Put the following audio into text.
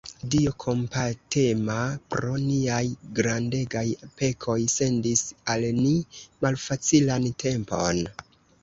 Dio kompatema, pro niaj grandegaj pekoj, sendis al ni malfacilan tempon.